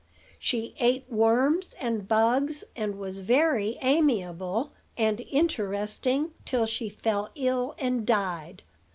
She ate worms and bugs, and was very amiable and interesting till she fell ill and died."